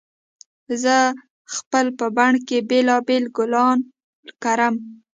زه خپل په بڼ کې بېلابېل ګلان کرم